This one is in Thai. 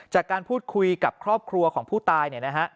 จากการพูดคุยกับครอบครัวของผู้ตาย